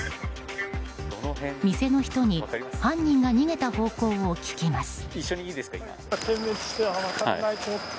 店の人に犯人が逃げた方向を聞きます。